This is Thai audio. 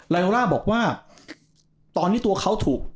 โรล่าบอกว่าตอนนี้ตัวเขาถูก